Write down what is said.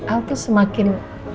al tuh semakin